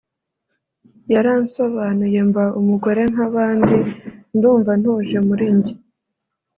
yaransobanuye mba umugore nk’abandi ndumva ntuje muri njye”